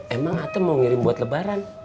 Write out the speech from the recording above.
emang ata mau ngirim buat lebaran